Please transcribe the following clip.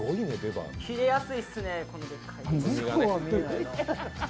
切れやすいですね。